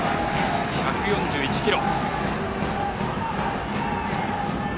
１４１キロ。